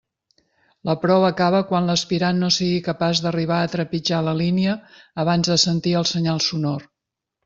La prova acaba quan l'aspirant no sigui capaç d'arribar a trepitjar la línia abans de sentir el senyal sonor.